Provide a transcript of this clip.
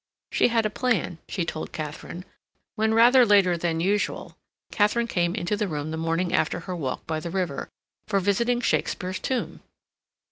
She had a plan, she told Katharine, when, rather later than usual, Katharine came into the room the morning after her walk by the river, for visiting Shakespeare's tomb.